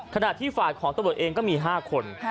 ขณะที่ฝ่ายของตำรวจเองก็มี๕คน